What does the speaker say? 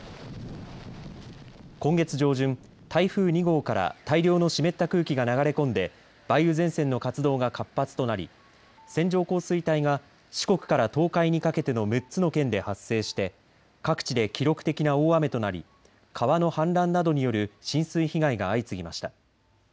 今月上旬、台風２号から大量の湿った空気が流れ込んで梅雨前線の活動が活発となり線状降水帯が四国から東海にかけての６つの県で発生して各地で記録的な大雨となり川の氾濫などによる浸水被害が相次ぎました。